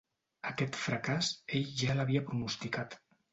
Aquest fracàs, ell ja l'havia pronosticat.